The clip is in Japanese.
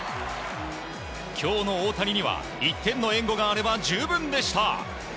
今日の大谷には１点の援護があれば十分でした。